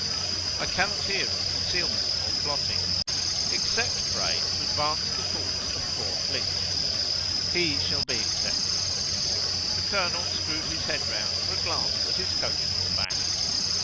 "I cannot hear of concealment or plotting." "Except, pray, to advance the cause of poor Flitch!" "He shall be excepted." The colonel screwed his head round for a glance at his coachman's back.